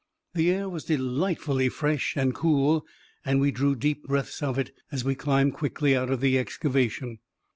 The air was delightfully fresh and cool, and we drew deep breaths of it as we climbed quickly out of the excavation.